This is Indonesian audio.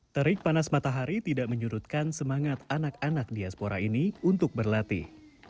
terik panas matahari tidak menyurutkan semangat anak anak diaspora ini untuk berlatih